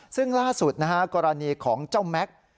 ซึ่งล่าสุดนะฮะกรณีของเจ้าแม็กซ์